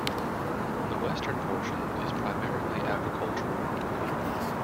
The western portion is primarily agricultural.